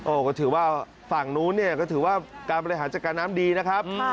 ก็ถือว่าฝั่งนู้นเนี่ยก็ถือว่าการบริหารจัดการน้ำดีนะครับ